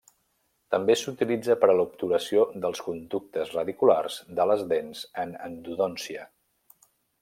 També s'utilitza per a l'obturació dels conductes radiculars de les dents en endodòncia.